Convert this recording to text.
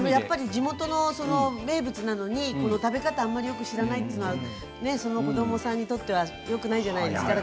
地元の名物なのに食べ方がよく知らないということで子どもさんにとってはよくないじゃないですか。